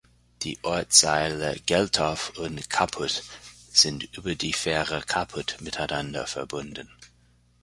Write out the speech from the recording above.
Die Ortsteile Geltow und Caputh sind über die Fähre Caputh miteinander verbunden.